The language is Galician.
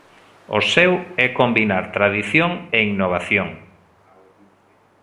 O seu é combinar tradición e innovación.